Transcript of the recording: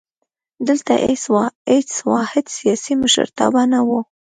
دلته هېڅ واحد سیاسي مشرتابه نه وو.